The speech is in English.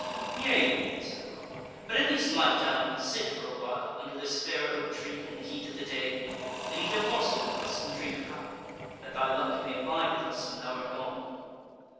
"Yea, Lord," said the carle, "but at least light down and sit for a while under this fair oak tree in the heat of the day, and eat a morsel with us, and drink a cup, that thy luck may abide with us when thou art gone."